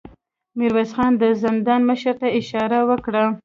ميرويس خان د زندان مشر ته اشاره وکړه.